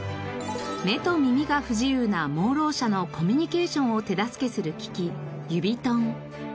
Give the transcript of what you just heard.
目と耳が不自由な盲ろう者のコミュニケーションを手助けする機器Ｕｂｉｔｏｎｅ。